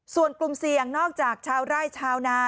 ส่วนกลุ่มเสี่ยงนอกจากชาวไร่ชาวนา